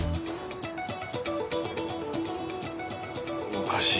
おかしい